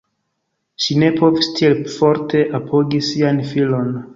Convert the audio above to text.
Ŝi ne povis tiel forte apogi sian filon.